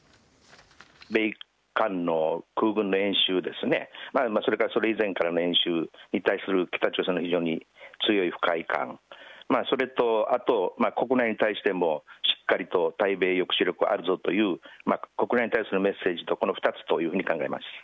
米韓の空軍の演習ですね、それからそれ以前からの演習に対する北朝鮮の非常に強い不快感、それとあと国内に対しても、しっかりと対米抑止力あるぞという、国内に対するメッセージと、この２つというふうに考えます。